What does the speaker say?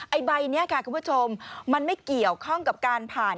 ใบนี้ค่ะคุณผู้ชมมันไม่เกี่ยวข้องกับการผ่าน